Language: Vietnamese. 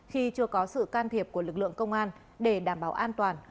khi chưa có sự can thiệp của lực lượng công an để đảm bảo an toàn